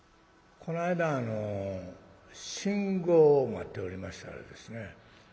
この間あの信号を待っておりましたらですね